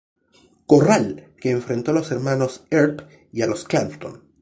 Corral, que enfrentó a los hermanos Earp y a los Clanton.